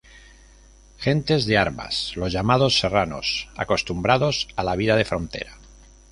Gentes de armas, los llamados "serranos", acostumbrados a la vida de frontera.